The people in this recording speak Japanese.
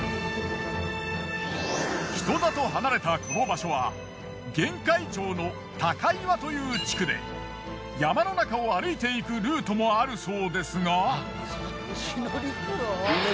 人里離れたこの場所は玄海町の高岩という地区で山の中を歩いていくルートもあるそうですが。